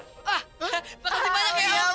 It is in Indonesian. makasih banyak ya om